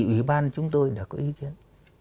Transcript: ủy ban chúng tôi đã có ý kiến